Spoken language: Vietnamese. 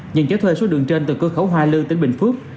nhận chế thuê số đường trên từ cơ khẩu hoa lư tỉnh bình phước